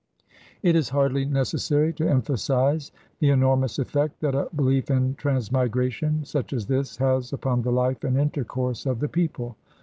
It is hardly necessary to emphasize the enormous effect that a belief in transmigration such as this has upon the life and intercourse of the people.